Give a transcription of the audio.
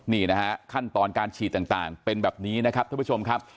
นี่นะฮะขั้นตอนการฉีดต่างเป็นแบบนี้นะครับท่านผู้ชมครับ